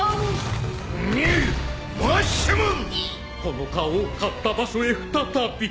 この顔を狩った場所へ再び。